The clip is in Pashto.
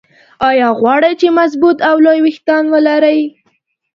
ايا غواړئ چې مضبوط او لوى ويښتان ولرى؟